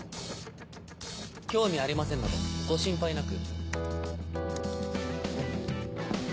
興味ありませんのでご心配なく。